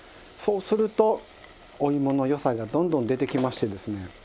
そうするとおいもの良さがどんどん出てきましてですね